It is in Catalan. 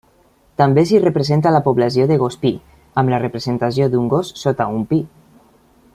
També s'hi representa la població de Gospí, amb la representació d'un gos sota un pi.